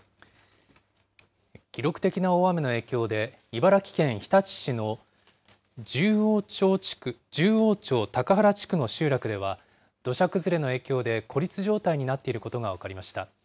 記録的な大雨の影響で、茨城県日立市の十王町高原地区の集落では、土砂崩れの影響で孤立状態になっていることが分かりました。